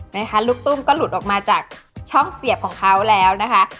ไหมคะลูกตุ้มก็หลุดออกมาจากช่องเสียบของเขาแล้วนะคะ